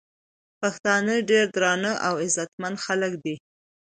پښتانه ډير درانه او عزتمن خلک دي